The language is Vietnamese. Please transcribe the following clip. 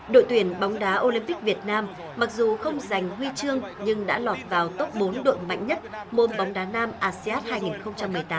đội tuyển bóng đá olympic việt nam mặc dù không giành huy chương nhưng đã lọt vào top bốn đội mạnh nhất môn bóng đá nam asean hai nghìn một mươi tám